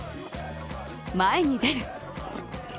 前に出る。